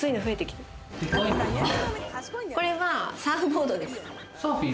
これはサーフボードです。